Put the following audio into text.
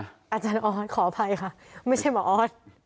อาจารย์ออสขออภัยค่ะไม่ใช่หมอออส